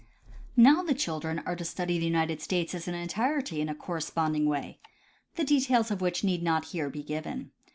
Now the children are to study the United States as an entirety in a corresponding way, the details of which need not here be given.